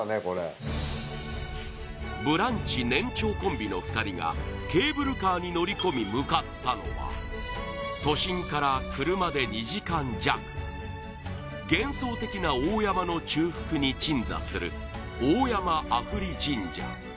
これブランチ年長コンビの２人がケーブルカーに乗り込み向かったのは都心から車で２時間弱幻想的な大山の中腹に鎮座する大山阿夫利神社